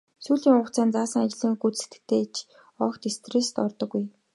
Сүүлчийн хугацааг нь заасан ажлыг гүйцэтгэхдээ ч огт стресст ордоггүй.